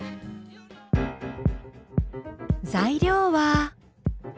材料は。